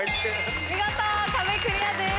見事壁クリアです。